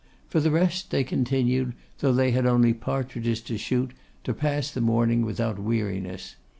For the rest, they continued, though they had only partridges to shoot, to pass the morning without weariness.